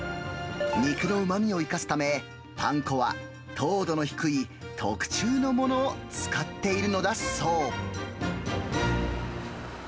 肉のうまみを生かすため、パン粉は糖度の低い特注のものを使ってあれ？